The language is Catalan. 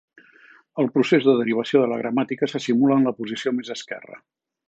El procés de derivació de la gramàtica se simula en la posició més esquerra.